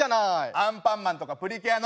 「アンパンマン」とか「プリキュア」の。